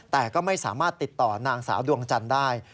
แต่ก็ไม่สามารถติดต่อนางสาวดวงจันทร์ได้